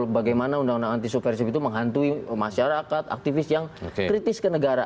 bagaimana undang undang anti subversif itu menghantui masyarakat aktivis yang kritis ke negara